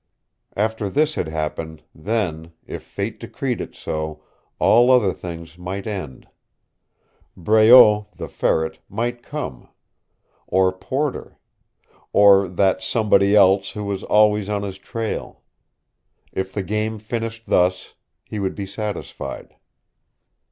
After this had happened, then if fate decreed it so all other things might end. Breault, the Ferret, might come. Or Porter. Or that Somebody Else who was always on his trail. If the game finished thus, he would be satisfied.